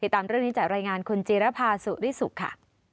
ตามเรื่องนี้จากรายงานคุณจีรภาสุริสุขค่ะ